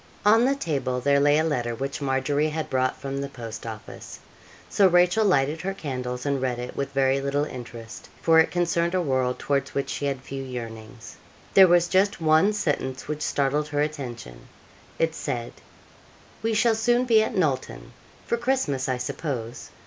On the table there lay a letter which Margery had brought from the post office. So Rachel lighted her candles and read it with very little interest, for it concerned a world towards which she had few yearnings. There was just one sentence which startled her attention: it said, 'We shall soon be at Knowlton for Christmas, I suppose.